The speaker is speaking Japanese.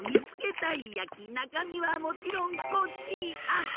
たいやきなかみはもちろんコッシーあんってね。